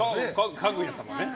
「かぐや様」ね。